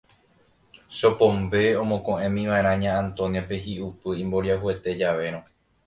Chopombe omoko'ẽmiva'erã Ña Antonia-pe hi'upy imboriahuete javérõ.